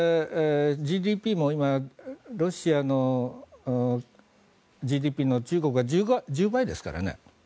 ＧＤＰも今、ロシアのＧＤＰの中国は１０倍ですからね。